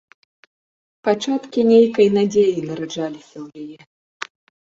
Пачаткі нейкай надзеі нараджаліся ў яе.